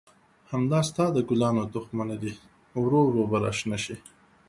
همدا ستا د ګلانو تخمونه دي، ورو ورو به را شنه شي.